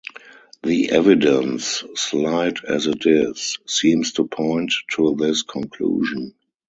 The evidence, slight as it is, seems to point to this conclusion.